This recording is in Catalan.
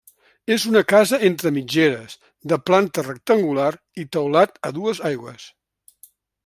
És una casa entre mitgeres, de planta rectangular i teulat a dues aigües.